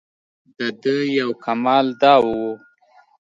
دده یو کمال دا و.